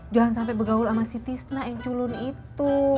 jangan sampai bergaul sama si tisna yang culun itu